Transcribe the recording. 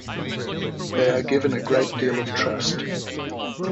They are given a great deal of trust.